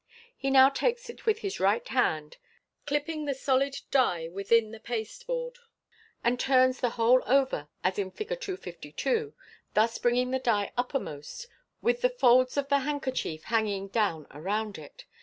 He now takes it with his right hand, clipping the solid die within the pasteboard, and turns the whole over as in Fig. 252, thus bringing the die uppermost, with the folds of the 422 MODERN MAGIC. handkerchief hanging down around it.